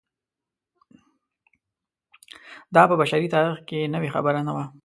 دا په بشري تاریخ کې نوې خبره نه وه.